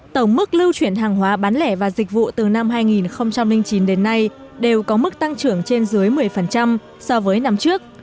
tổng mức lưu chuyển hàng hóa bán lẻ và dịch vụ từ năm hai nghìn chín đến nay đều có mức tăng trưởng trên dưới một mươi so với năm trước